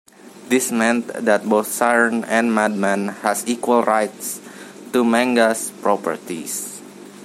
This meant that both Siren and Madman has equal rights to Manga's properties.